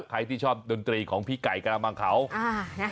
ใครที่ชอบดนตรีของพี่ไก่กระมังเขา